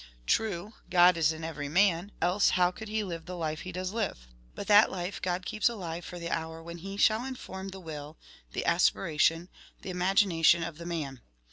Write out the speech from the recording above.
True, God is in every man, else how could he live the life he does live? but that life God keeps alive for the hour when he shall inform the will, the aspiration, the imagination of the man.